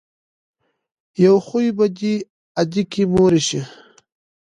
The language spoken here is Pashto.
يو خوي به دې ادکې مور شي.